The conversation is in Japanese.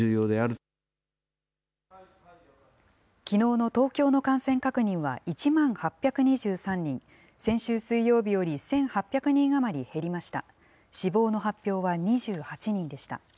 きのうの東京の感染確認は１万８２３人、先週水曜日より１８００人余り減りました。